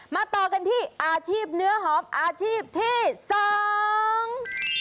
ต่อกันที่อาชีพเนื้อหอมอาชีพที่สอง